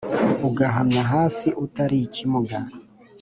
ugahamya hasi utari ikimuga